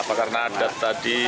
apa karena adat tadi